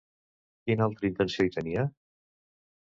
Quina altra intenció hi tenia?